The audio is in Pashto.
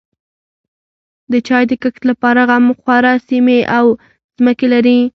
د چای د کښت لپاره هم غوره سیمې او ځمکې لري.